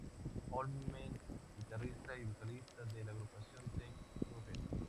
Holmes, guitarrista y vocalista de la agrupación Ted Nugent.